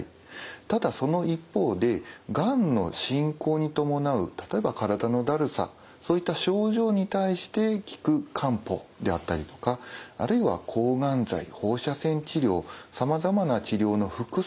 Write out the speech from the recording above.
ただその一方でがんの進行に伴う例えば体のだるさそういった症状に対して効く漢方であったりとかあるいは抗がん剤放射線治療さまざまな治療の副作用